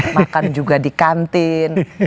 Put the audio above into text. makan juga di kantin